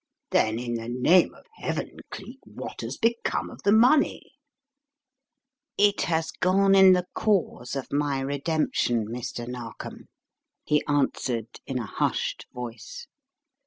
"Then in the name of Heaven, Cleek, what has become of the money?" "It has gone in the cause of my redemption, Mr. Narkom," he answered in a hushed voice.